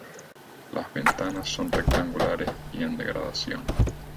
Las ventanas son rectangulares y en degradación.